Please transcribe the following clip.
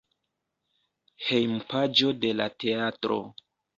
Hejmpaĝo de la teatro.